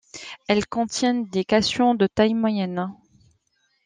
Elles contiennent des cations de taille moyenne.